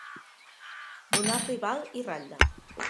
Donar-li val i ratlla.